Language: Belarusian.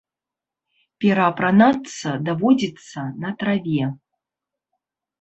Пераапранацца даводзіцца на траве.